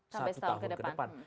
sampai satu tahun ke depan